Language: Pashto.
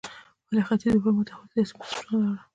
ولې ختیځې اروپا متحول سیاسي بنسټونه لرل.